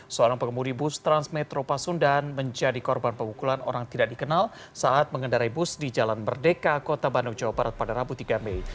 seorang pengemudi bus transmetro pasundan menjadi korban pemukulan orang tidak dikenal saat mengendarai bus di jalan merdeka kota bandung jawa barat pada rabu tiga mei